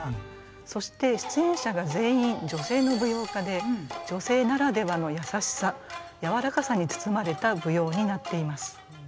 そして出演者が全員女性の舞踊家で女性ならではの優しさ柔らかさに包まれた舞踊になっています。